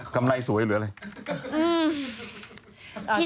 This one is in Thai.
ำไรสวยหรืออะไร